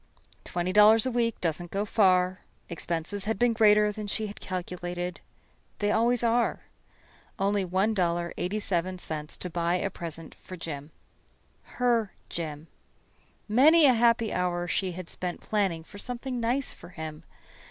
Twenty dollars a week doesn't go far. Expenses had been greater than she had calculated. They always are. Only $1.87 to buy a present for Jim. Her Jim. Many a happy hour she had spent planning for something nice for him.